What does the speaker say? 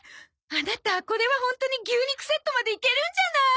アナタこれはホントに牛肉セットまでいけるんじゃない？